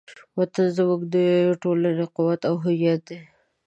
وطن زموږ د ټولنې قوت او هویت دی.